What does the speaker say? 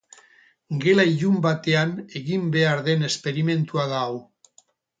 Gela ilun batean egin behar den esperimentua da hau.